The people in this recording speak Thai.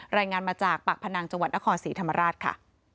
รายงานมาจากปากพนังจังหวัดนครศรีธรรมราชค่ะ